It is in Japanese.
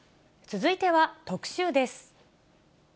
続いては特集です。